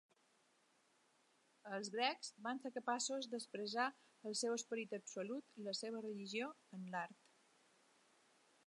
Els grecs van ser capaços d'expressar el seu esperit absolut, la seva religió, en l'art.